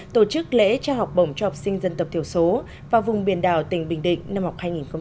tổ chức lễ trao học bổng cho học sinh dân tộc thiểu số vào vùng biển đảo tỉnh bình định năm học hai nghìn một mươi bảy hai nghìn một mươi tám